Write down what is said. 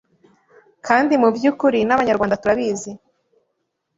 Kandi mu by’ukuri n’abanyarwanda turabizi